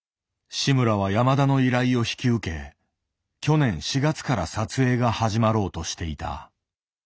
志村は山田の依頼を引き受け去年４月から撮影が始まろうとしていた。